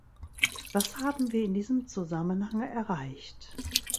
Was haben wir in diesem Zusammenhang erreicht?